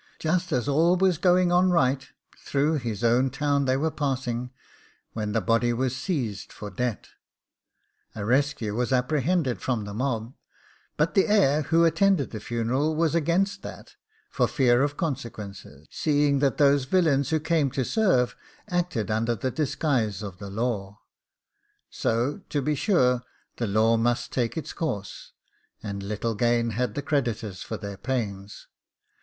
Just as all was going on right, through his own town they were passing, when the body was seized for debt a rescue was apprehended from the mob; but the heir, who attended the funeral, was against that, for fear of consequences, seeing that those villains who came to serve acted under the disguise of the law: so, to be sure, the law must take its course, and little gain had the creditors for their pains.